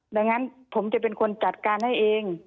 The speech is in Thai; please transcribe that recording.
ดังนั้นผมจะเป็นคนจัดการให้เอง